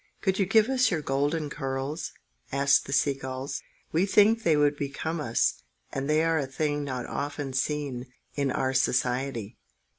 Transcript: "Could you give us your golden curls?" asked the sea gulls. "We think they would become us, and they are a thing not often seen in our society."